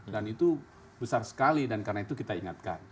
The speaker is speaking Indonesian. dan itu besar sekali dan karena itu kita ingatkan